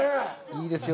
いいですよ。